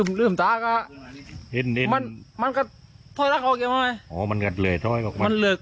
เหลือยขึ้นบนตัวเลยครับ